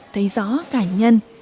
thấy rõ cả nhân